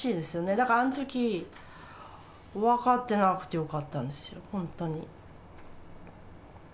だからあのとき、分かってなくてよかったんですよ、本当に。